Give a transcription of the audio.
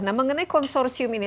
nah mengenai konsorsium ini